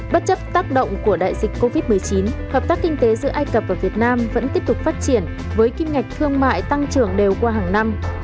bất chấp tác động của đại dịch covid một mươi chín hợp tác kinh tế giữa ai cập và việt nam vẫn tiếp tục phát triển với kim ngạch thương mại tăng trưởng đều qua hàng năm